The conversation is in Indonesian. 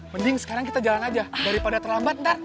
mending sekarang kita jalan aja daripada terlambat ntar